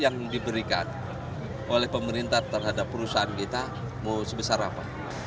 yang diberikan oleh pemerintah terhadap perusahaan kita mau sebesar apa